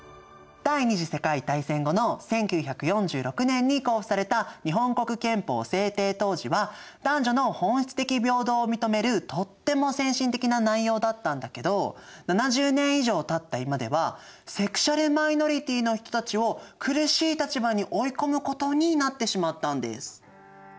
第２次世界大戦後の１９４６年に公布された日本国憲法制定当時は男女の本質的平等を認めるとっても先進的な内容だったんだけど７０年以上たった今ではセクシュアル・マイノリティーの人たちを苦しい立場に追い込むことになってしまったんです。